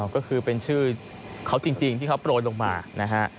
ก็คือเป็นชื่อเขาจริงที่เขาโปรยลงมานะฮะ